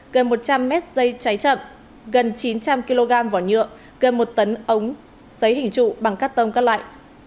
gần một trăm linh mét dây cháy chậm gần chín trăm linh kg vỏ nhựa gần một tấn ống xấy hình trụ bằng cắt tông các loại